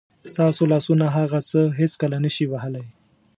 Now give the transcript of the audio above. ستاسو لاسونه هغه څه هېڅکله نه شي وهلی.